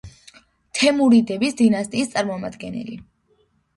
თემურიდების დინასტიის წარმომადგენელი.